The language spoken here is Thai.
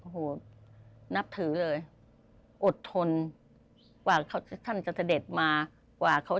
โหนับถือเลยอดทนกว่าเขาจะท่านจะทะเด็ดมากว่าเขา